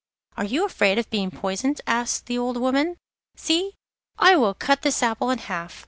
'Are you afraid of being poisoned?' asked the old woman. 'See, I will cut this apple in half.